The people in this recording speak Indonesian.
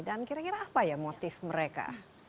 dan kira kira apa ya motif mereka